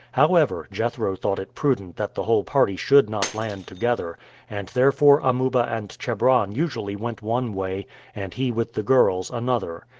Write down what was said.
However, Jethro thought it prudent that the whole party should not land together, and therefore Amuba and Chebron usually went one way and he with the girls another.